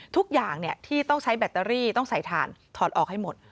ทุกอย่างที่ต้องใช้แบตเตอรี่ต้องใส่ถ่านถอดออกให้หมด